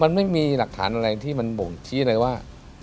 มันไม่มีหลักฐานอะไรที่มันบ่งชี้เลยว่า